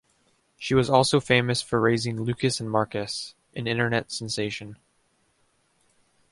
She was also famous for raising Lucas And Marcus, an internet sensation.